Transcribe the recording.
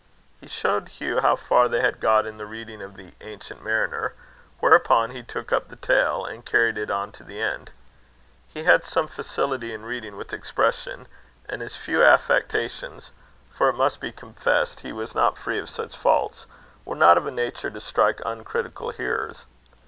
He showed Hugh how far they had got in the reading of the "Ancient Mariner"; whereupon he took up the tale, and carried it on to the end. He had some facility in reading with expression, and his few affectations for it must be confessed he was not free of such faults were not of a nature to strike uncritical hearers.